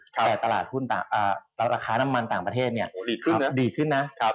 แต่ตลาดหุ้นราคาน้ำมันต่างประเทศดีขึ้นนะ